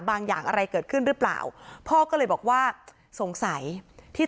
อย่างอะไรเกิดขึ้นหรือเปล่าพ่อก็เลยบอกว่าสงสัยที่